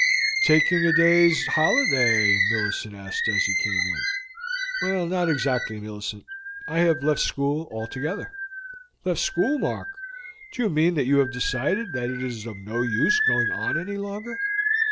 "Taking a day's holiday?" Millicent asked as he came in. "Well, not exactly, Millicent; I have left school altogether." "Left school, Mark? Do you mean that you have decided that it is of no use going on any longer?"